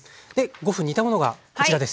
５分煮たものがこちらです。